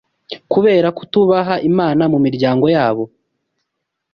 Kubera kutubaha Imana mu miryango yabo